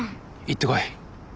行ってこい。